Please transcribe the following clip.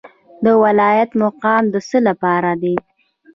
د ولایت مقام د څه لپاره دی؟